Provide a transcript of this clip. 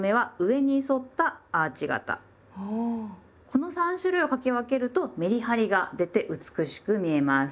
この３種類を書き分けるとメリハリが出て美しく見えます。